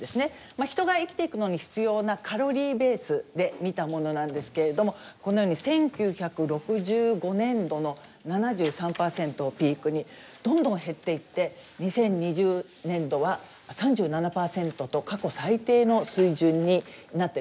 まあ人が生きていくのに必要なカロリーベースで見たものなんですけれどもこのように１９６５年度の７３％をピークにどんどん減っていって２０２０年度は３７％と過去最低の水準になってるんですね。